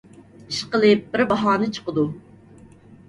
ئىشقىلىپ، بىر باھانە چىقىدۇ.